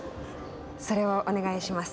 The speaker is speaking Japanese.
それをお願いします。